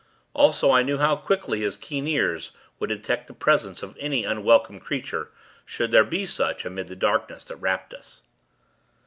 Also, I knew how quickly his keen ears would detect the presence of any unwelcome creature, should there be such, amid the darkness that wrapped us.